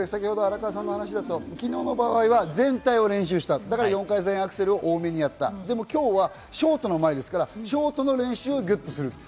荒川さんの話しだと、昨日の場合は全体を練習した、４回転アクセルを多めにやった、でも今日はショートの前ですからショートの練習をする。